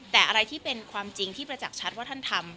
แต่อะไรที่เป็นความจริงที่ประจักษ์ชัดว่าท่านทำ